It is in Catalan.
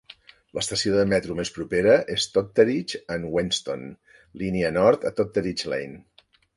L'estació de metro més propera és Totteridge and Whetstone, línia nord a Totteridge Lane.